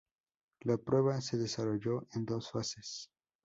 La prueba se desarrolló en dos fases.